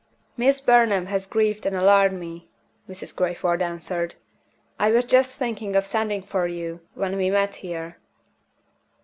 "Miss Burnham has grieved and alarmed me," Mrs. Crayford answered. "I was just thinking of sending for you when we met here."